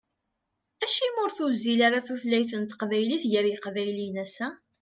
Acimi ur tuzzil ara tutlayt n teqbaylit gar yiqbayliyen ass-a?